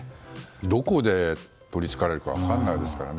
どこで取りつかれるか分からないですからね。